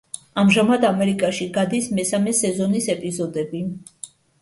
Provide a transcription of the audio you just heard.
ამჟამად ამერიკაში გადის მესამე სეზონის ეპიზოდები.